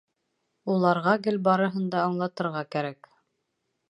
Уларға гел барыһын да аңлатырға кәрәк.